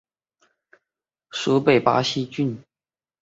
属北巴西郡。